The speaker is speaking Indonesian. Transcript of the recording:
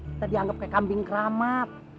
kita dianggap kayak kambing keramat